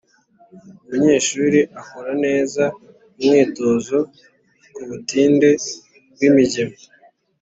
umunyeshuri akore neza umwitozo ku butinde bw'imigemo.